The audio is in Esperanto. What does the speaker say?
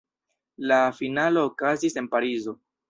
La finalo okazis en Parizo.